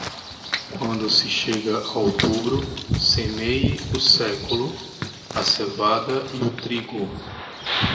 Quando se chega a outubro, semeie o século, a cevada e o trigo.